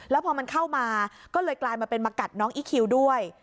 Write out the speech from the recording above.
แล้วพอมันเข้ามาก็เลยกลายมาเป็นมากัดน้องอีคคิวด้วย